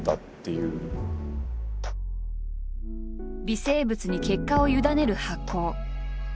微生物に結果を委ねる発酵。